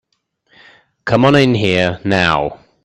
Come on in here now.